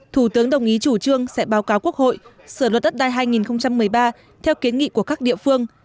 thủ tướng đồng ý chủ trương sẽ báo cáo quốc hội sửa luật đất đai hai nghìn một mươi ba theo kiến nghị của các địa phương